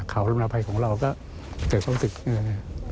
เขาลำนาภัยของเราก็เกิดความรู้สึก